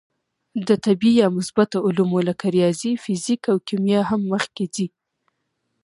د طبعي یا مثبته علومو لکه ریاضي، فیزیک او کیمیا هم مخکې ځي.